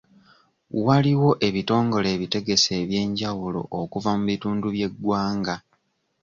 Waliwo ebitongole ebitegesi eby'enjawulo okuva mu bitundu by'eggwanga.